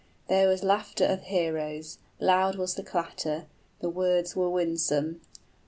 There was laughter of heroes; loud was the clatter, 55 The words were winsome.